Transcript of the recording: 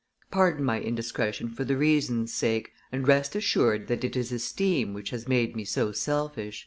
Pardon my indiscretion for the reason's sake, and rest assured that it is esteem which has made me so selfish."